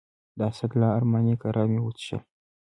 د اسدالله ارماني کره مې وڅښلې.